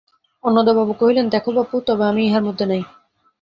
অন্নদাবাবু কহিলেন, দেখো বাপু, তবে আমি ইহার মধ্যে নাই।